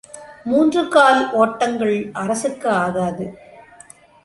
மூன்று கால் ஒட்டங்கள் அரசுக்கு ஆகாது.